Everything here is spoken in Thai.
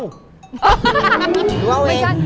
หนูเอาเอง